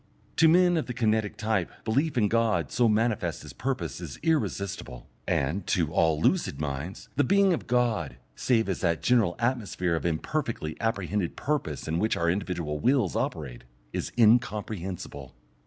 To men of the kinetic type belief in God so manifest as purpose is irresistible, and, to all lucid minds, the being of God, save as that general atmosphere of imperfectly apprehended purpose in which our individual wills operate, is incomprehensible.